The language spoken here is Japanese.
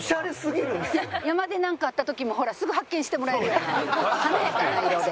山でなんかあった時もすぐ発見してもらえるように華やかな色で。